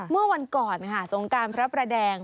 เมื่อวันก่อนค่ะสงการพระประแดง